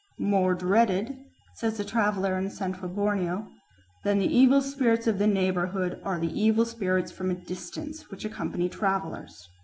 "More dreaded," says a traveller in Central Borneo, "than the evil spirits of the neighbourhood are the evil spirits from a distance which accompany travellers.